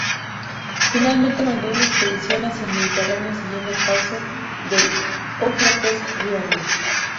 Finalmente mandó una expedición hacia el Mediterráneo siguiendo el cauce del Éufrates río arriba.